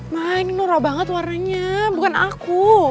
ma ini noro banget warnanya bukan aku